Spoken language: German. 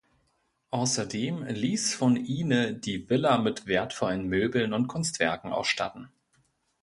Außerdem ließ von Ihne die Villa mit wertvollen Möbeln und Kunstwerken ausstatten.